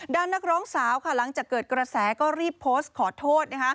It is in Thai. นักร้องสาวค่ะหลังจากเกิดกระแสก็รีบโพสต์ขอโทษ